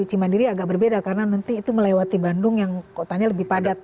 cimandiri agak berbeda karena nanti itu melewati bandung yang kotanya lebih padat